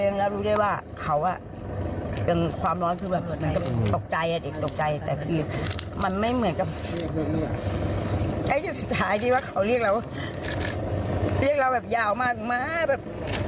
เห็นเลยเห็นแต่เคยไฟอย่างเดียวมันก็พยายามช่วยช่วยไม่ทันจริงนะครับ